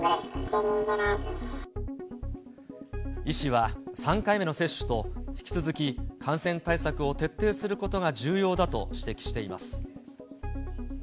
医師は、３回目の接種と、引き続き感染対策を徹底することが重要だと指摘しています。